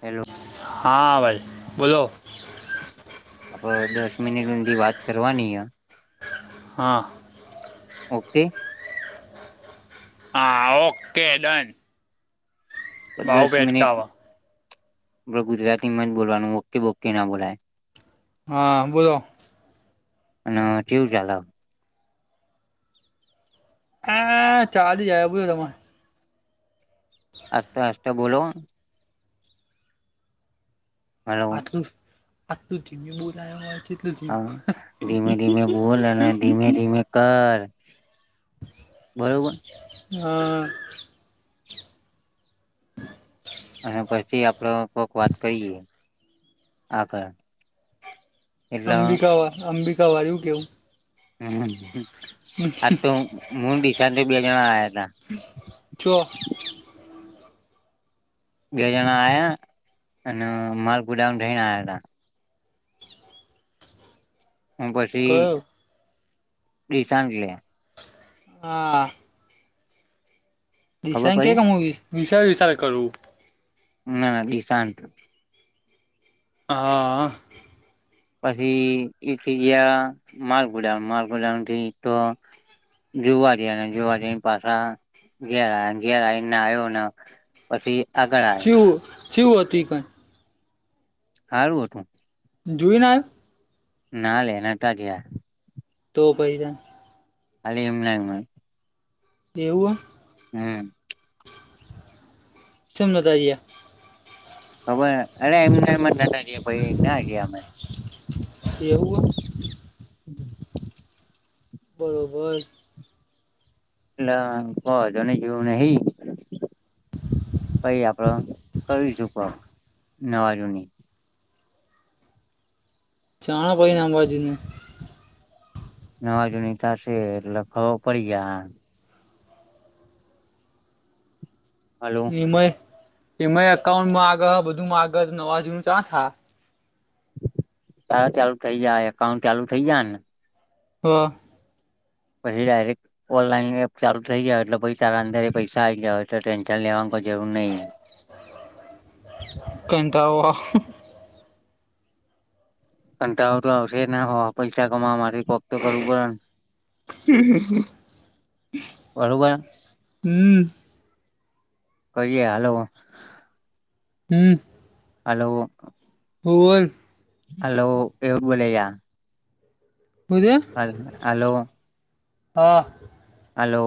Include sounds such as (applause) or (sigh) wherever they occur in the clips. Hello હા ભાઈ બોલો આપડે દસ મિનિટ હુંધી વાત કરવાની હે હા ઓકે હા ઓકે ડન ભાવ દસ મિનિટ બેઠકાવા ગુજરાતી માં જ બોલવાનું ઓકે વોકે ના બોલાય હા બોલો અને આ કેવું ચાલે (inaudible) હસ્તો હસ્તો બોલો હલો આથું આ તું ધીમે બોલવ્યા હા ધીમે ધીમે બોલ અને ધીમે ધીમે કર (inaudible) બરોબર હા. અને પછી આપડો કોક વાત કયરી આગળ એટલે અંબિકા વા અંબિકા વાયું કેઉ એમન હમ આ તો હું દિશાંત બે જણા આયા હતા છો બે જણા આયા અને માલપુડા થઈ આયા તા. હું પછી કયો દિશાગલે હા ખબર દીસા કે પડી ક મુવીસ ક વિચાર કરું ના દિશાન્ત હા પછી એ ગિયા માલપૂડા માલપૂડાથી તો જુવા ગયા જુવા જ પાછા ઘેર આય ઘેર આવીને નાયો ને પછી આગળ આવે છું હતી કાઈ સારું હતું જોુઈ ને આયો ના લે નટિ ગયા તો પછી (unintelligible) ખાલી એમનેમા હોય એવું હમ ચેમ નોધાયયા હવે અરે એમને નતા ગયા પછી ના ગયા અમે એવું હે (unintelligible) બરોબર (unintelligible) કરીશું પક નવાજુની ચાણ હોય નાંબા જુનુ નવાજૂણી થશે એટલે ખબર પડી જાય હાલું નિમય એમાઈ એકકાઉન્ટ મા આગળ બધુ માંગ્યુ મગજ નવા જુનું છે હા સારા ચાલુ થઇ જાય એકાઉન્ટ ચાલુ થઇ જાયને હ પછી ડાયરેક્ટ ઓનલાઈન એપ ચાલુ થઇ જાય એટલે પછી તારા અદરે પૈસા આવી જયા હોય તો ટેન્શન લેવાની કોઈ જરૂર નહી કંતાડો આ હુ કટાડો તો આવશે હો પૈસા કમાવા માટે કોક તો કરવું પડે ન બરોબર હમ કરીએ હાલો હમ હલો કુવર હાલો એવું બોલે યા બોલે હ હલો હા હલો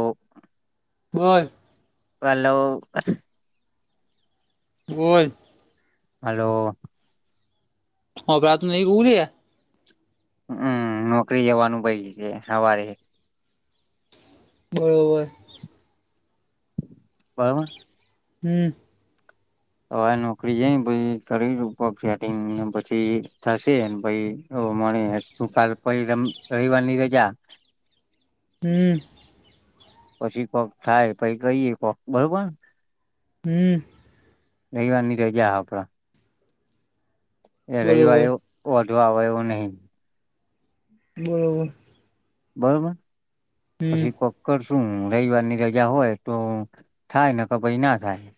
બોલ હલો બોલ હલો હભરાતું નહી હું કે હમ નોકરી જવાનું ભાઈ છે સવારે બરોબર બરોબર હમ હવે નોકરી જ કરી પછી થશે પ મળું કાલ પ રવવારની રજા હમ પછી કોક થાય પછ કહીયે કોક બરોબર હમ રહીવા ની ર ગયા આપડા એ રવિવારે બરોબર જો હવે એવું નહીં બરોબર બરોબર હમ પછી કોક્કડ શું રવિવાર ની રજા હોય તો થાય ને ક ભાઈ ના થાય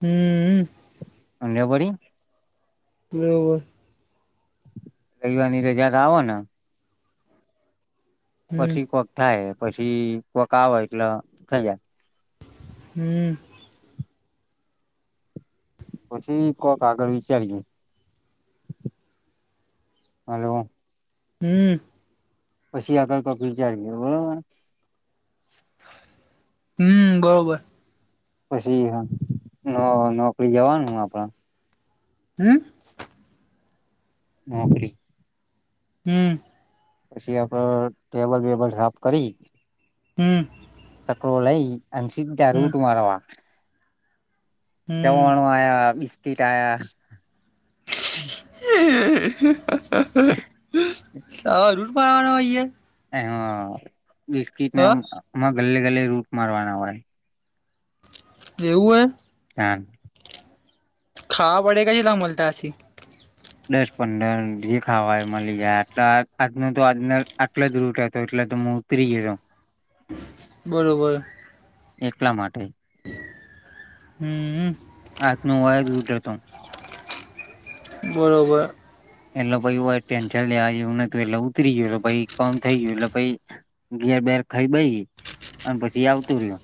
હમ અંગ્યાબડી વબર રવવાની રજા આવો ને હમ પછી એક વખ થાય પછી કોઈક આવે એટલે થઈ જાય હમ પછી કો કાાગળ વિ ચડી હલોો હમ પછી આતા તકલી જાય ગ બરોબર હમ બરોબર પછી હ ન નોકરી જવાનું હ આપણા હમ નાબરી હમ પછી આપણે ટેબલ વેબલ સાફ કરી હમ કોલેઈ અન સધ હમ રૂટું મારોવા હમ કેવવાણું આ કરાયા હ હ હ રૂર પવાનું હોાઈએ હા બિસ્કીટ ને ગલ્લે ગલ્લે રૂટ મારવાના હોય એવું હ હ ખાવા પડે કછ લંભલતા અી દસ પંદર જે ખાવાય મળી જાય આટ આજનો તો આજ આટલો જ રૂટ હતો એટલે તો હું ઉતરી ગયો છ બરોબર એટલા માટે હમ આત્નો અય લૂટ હતો બરોબર એટલે પ હોય ટેન્ન લેવાવું નું એટલે ઉતરી ગય કમ થઈ ગયું એટલે પ ઘેર બેેર ખાઈ બેઈ અને પછી આવતું રહ્યું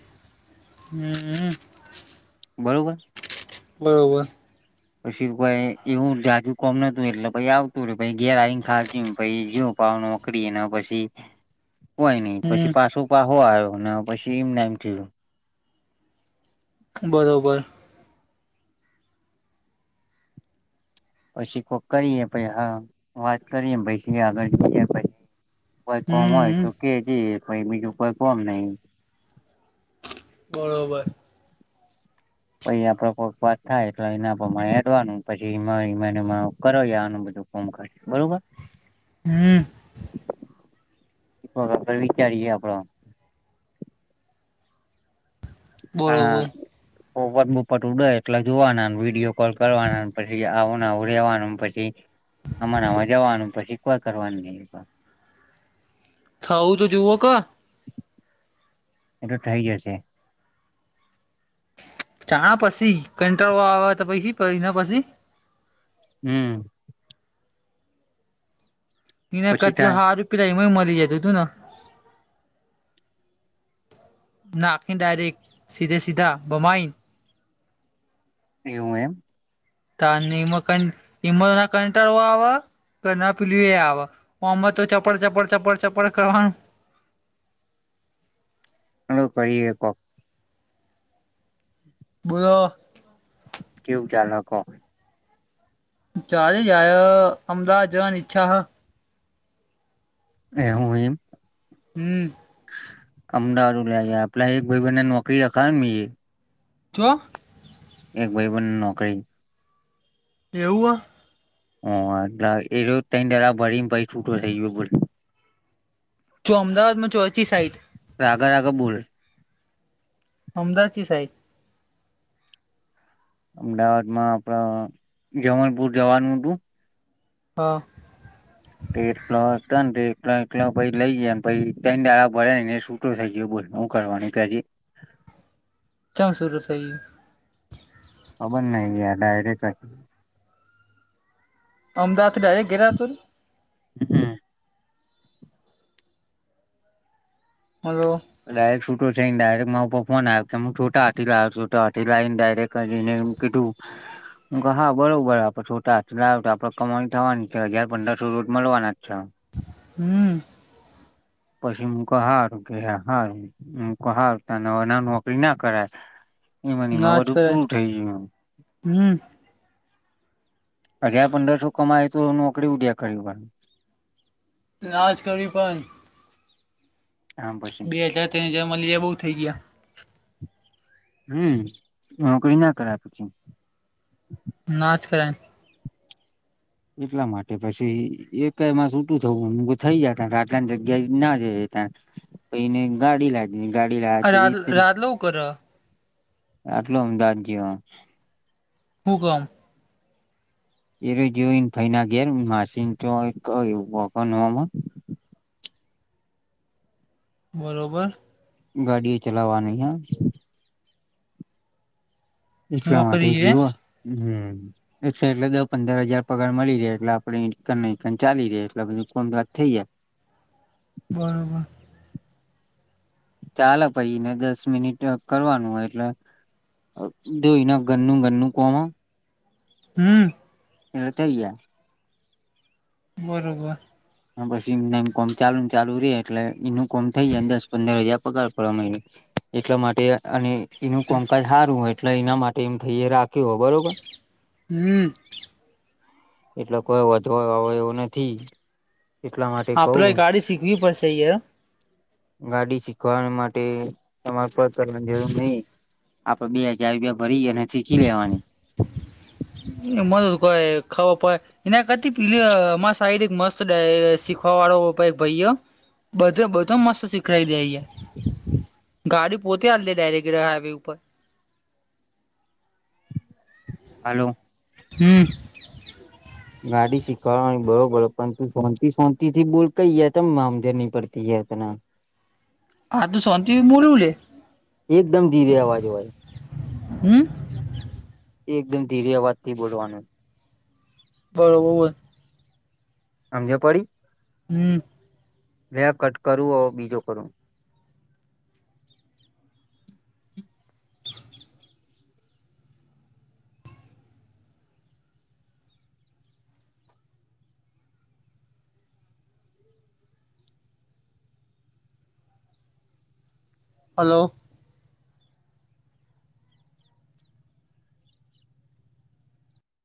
હમ બરોબર બરોબર પછી ભાઈ એવું જાજુ કોમ નતું એટલે પ આવતું ર ઘેર આવીને ખા પ જવ પાવકડીને પછી કોઈ નઈ હમ પછી પાછો પા હોો આવ્યો ને પછી એમ ના એમ થયું બરોબર પછછી કરીએ પછ હા વાત કરીએ પછી આગળ જઈએ પછી ભાઈ કોમ હોય હમ તો કે જે બીજું કોઈ કોમ નહી બરોબર પછ આપડો પક્ષપત થાય એટલે એના હવાનું પછી કરો આનું બધું ફમ કરશે હમ બરોબરર વિચારીએ આપડો બરોબર હપટ બોપટ ઉડે એટલે જોવાના વિડીિયો કોલ કરવાના પછી આવું આવું રેવાનું પછી આમામાં જવાનું પછી કોઈ કરવાનું નહી થવું તો જુઓ ક એ તો થઇ જશે ચણા પછી કટ્રો આવે તો પી પ ના પછી હમ ને પછી કચ થાય હાર પલાય મ જ તું તું નાકિ ડાયરેક્ટ સીધે સધા બમાઈન કેવું એમ તમ કંટળ આવે કે ના પીલી આવે આમાં તો ચપળ ચપડ ચપળ ચપળ કરવાનું હ કરીએ કોક બોલોો કેવું ખ્યાલ હખ ચાલ આયા અમદાવાદ જવાની ચ્છા હા એ હું હોયમ હમ અમદાવાદ ઉ લ આપલા એક ભાઈ બહેને નોકરી રાખાવ મ ક એક ભાઈ બણ નોકરી એવું હટ એ જો તરા ભરીને ભાઈ છૂટો થઇ ગયો બોલો જો અમદાવાદમાં ચોચી સાઈટ રાગા રાગા બોલ અમદાવાદજી સાઈડ અમદાવાદ માં આપડ જમલપુર જવાનું હતું હા એ પછ લઈ જ પ ટ દાળ ભરે છૂટો થઈ ગયો બ કરવાનું કે હજી ચમ સુર થઈ ગું ખબર નહી ગયા ડાયરેક્ટ અમદાવાદ ડાયરેક્ટ ગેરા તું હા હલબ ડાયરેક્ટ છૂટો થઈને ડાયરેક્ટ મા ફોન આવ્યો કે હ છોટા હથી લાવ છોટા હા લાવને ડાયરેકને કીધું હા બરોબર આપડે છોટા હા લ તો આપડે કમાણી થવાની છે હજાર પંદરસો રોજ મળવાના છે હમ પશ્ચિમ ક હાાર કે હ હાર હાર ત નોકરી ના કરાય એ મને માં નાચ બધું કરે પૂરું થઇ ગયું હમ એમ હજાર પંદરસો કમાય તો એનું અકળ ઉડ્યા કર નાજ કરવી પણ આમ પછી બે હાજાર તે હજાર મળીએ બ થઈ ગયા હમ નોકરી ના કરાવ પછી નાચ કરણ એટલા માટે પછી એક મા સુૂટું થવું હ થઇ જ ત આટલાની જગ્યા ના જ ત પને ગાડી લાગ રા રા લવું કર આટલો અમદાવાદ જયો હુકમ એ ર જો ફાઈના ઘેર માસીન તો બરોબર ગાડી ચલાવાની હ એલા માટે નોકરી છે જઓ હમ એટલે એટલે દ પંદર હજાર પગાર મળી રહે એટલે આપે ચાલી ર એટલે બધ કો વાત થઈ જાય બરોબર ચાલે પાઈ એને દસ મિનિટ કરવાનું હોય એટલે જોને ગરનું ગરનું કવામાં હમ એ ત્યા બરોબર પછી એમમ કોમ ચાલુ ને ચાલુ રે એટલે એનું કોમ થઈ જાય દસ પંદર હજાર પગાર પડવામાં એટલા માટે અને એનું કંકજ હારું એટલે એના માટે મ થઈ રાખ્યો હો બરોબર હમ એટલે કોઈ વધવા વાો એવો નથી એટલા માટે આપણે કહું એક ગાડી શીખવી પડશે એ હ ગાડી શીખવા માટે તમારે પરગ કરવાની જરૂર નહીિ આપડે બે હજાર ભરી એ અને ચીખી લેવાની (unintelligible) એ મજ ખ પડે એ પીલી સાઈડ મસ્ત શીખવા વાળો ભાઈયો બધો બધો મસ્ શીખ ગાડી પોતે હ દે ડાયરેક હાઈવે ઉપર હાલો હમ ગાડી શીખવા બરો બોલો પણ તું શોંતિ શોંતતી થી બોલ કહી ત આમજર નહી પડતી જ તના હા તું શંતિ મોળ ઉલે એકદમ ધીરે અવાજ હોય હમ એ એકદમ ધીર અવાજ થી બોલવાનું બરોબરર આમજ પડી હમ બે કટ કરું બીજો કરું હલો